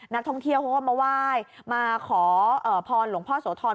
นักท่องเที่ยวเขาก็มาไหว้มาขอพรหลวงพ่อโสธร